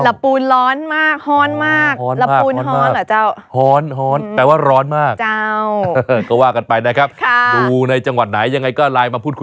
ระปูนร้อนมากฮ้อนมากระปูนฮ้อนเหรอเจ้าฮ้อนแปลว่าร้อนมาก